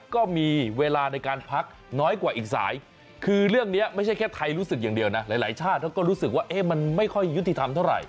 ก็มีเวลาในการพักน้อยกว่าอีกสายคือเรื่องนี้ไม่ใช่แค่ไทยรู้สึกอย่างเดียวนะหลายชาติเขาก็รู้สึกว่ามันไม่ค่อยยุติธรรมเท่าไหร่